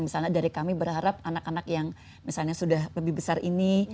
misalnya dari kami berharap anak anak yang misalnya sudah lebih besar ini